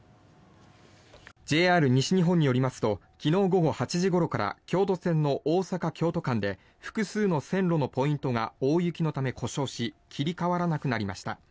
ＪＲ西日本によりますと昨日午後８時ごろから京都線の大阪京都間で複数の線路のポイントが大雪のため故障し切り替わらなくなりました。